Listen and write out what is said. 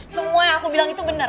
semua yang aku bilang itu benar